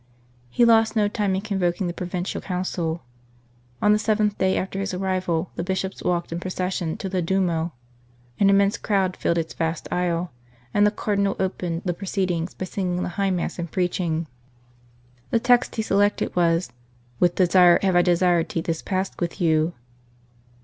He lost no time in convoking the Provincial Council. On the seventh day after his arrival the Bishops walked in procession to the Duomo ; an immense crowd filled its vast aisles ; the Cardinal opened the proceedings by singing the High Mass and preaching. 42 The City of the Plains The text he selected was :" With desire have I desired to eat this Pasch with you."